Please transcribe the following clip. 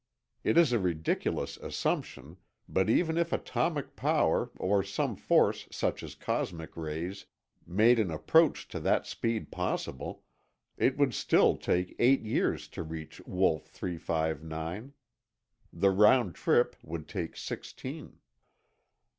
It is a ridiculous assumption, but even if atomic power, or some force such as cosmic rays, made an approach to that speed possible, it would still take eight years to reach Wolf 359. The round trip would take sixteen.